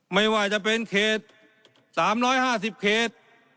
ไม่ว่าจะเป็นเขต๓๕๐เขต